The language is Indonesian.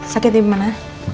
sakit di mana